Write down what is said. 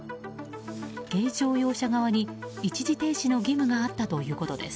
軽乗用車側に一時停止の義務があったということです。